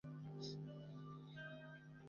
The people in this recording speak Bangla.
তখনই থামাই যখন সে চেপে ধরতে থাকে।